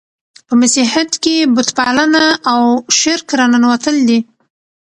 په مسیحیت کښي بت پالنه او شرک راننوتل دي.